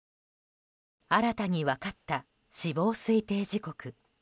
新たに分かった死亡推定時刻。